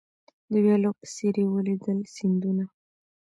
د ویالو په څېر یې ولیدل سیندونه